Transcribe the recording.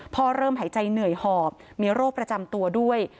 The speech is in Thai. เริ่มหายใจเหนื่อยหอบมีโรคประจำตัวด้วย